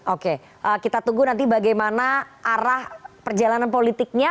oke kita tunggu nanti bagaimana arah perjalanan politiknya